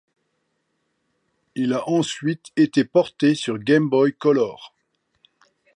Il a ensuite été porté sur Game Boy Color.